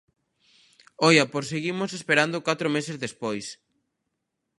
Oia, pois seguimos esperando catro meses despois.